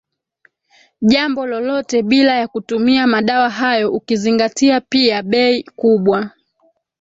jambo lolote bila ya kutumia madawa hayo Ukizingatia pia bei kubwa